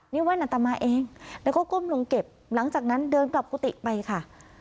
นี่แว่นอัตมาเองแล้วก็ก้มลงเก็บหลังจากนั้นเดินกลับกุฏิไปค่ะ